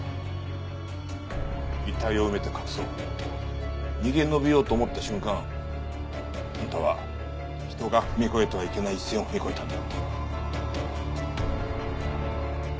遺体を埋めて隠そう逃げ延びようと思った瞬間あんたは人が踏み越えてはいけない一線を踏み越えたんだ。